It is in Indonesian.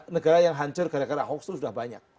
negara yang hancur gara gara hoax itu sudah banyak